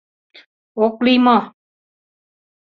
— Ок лий мо?